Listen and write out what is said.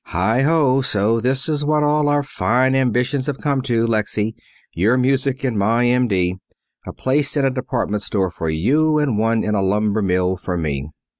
"Heigh ho! So this is what all our fine ambitions have come to, Lexy, your music and my M.D. A place in a department store for you, and one in a lumber mill for me."